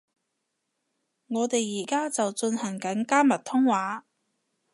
我哋而家就進行緊加密通話